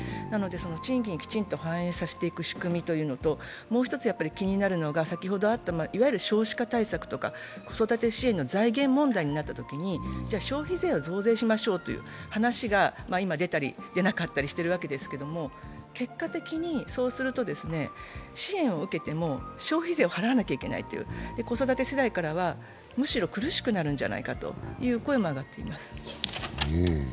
賃金にきちんと反映させていく仕組みと、もう一つ気になるのが、いわゆる少子化対策とか子育て支援の財源問題になったときに、じゃ消費税は増税しましょうという話が今、出たり、出なかったりしているわけですけど、結果的にそうすると、支援を受けても消費税を払わないといけない、子育て世代からは、むしろ苦しくなるんじゃないかという声も上がっています。